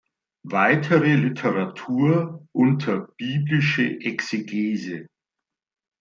Weitere Literatur unter Biblische Exegese.